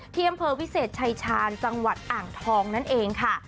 ที่อำเภอวิเศษชายชาญจังหวัดอ่างทองนั่นเองค่ะ